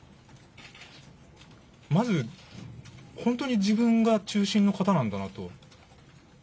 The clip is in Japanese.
まず、本当に自分が中心の方なんだなと。